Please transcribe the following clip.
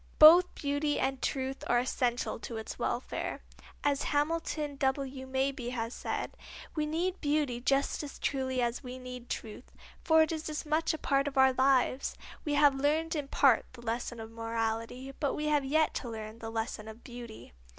Both beauty and truth are essential to its welfare. As Hamilton W. Mabie has said: "We need beauty just as truly as we need truth, for it is as much a part of our lives. We have learned in part the lesson of morality, but we have yet to learn the lesson of beauty."